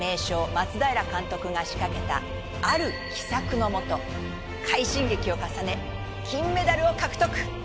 松平監督が仕掛けたある奇策のもと快進撃を重ね金メダルを獲得！